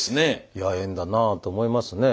いや縁だなあと思いますね。